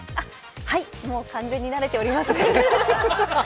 はい、完全に慣れております